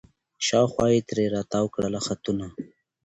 شاوخوا یې ترې را تاوکړله خطونه